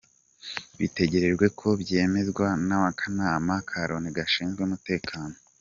Bitegerejwe ko byemezwa n’Akanama ka Loni Gashinzwe Umutekano.